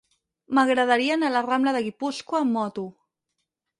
M'agradaria anar a la rambla de Guipúscoa amb moto.